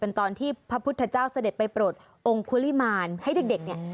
เป็นตอนที่พระพุทธเจ้าเสด็จไปโปรดองค์คุลิมารให้เด็กเนี่ย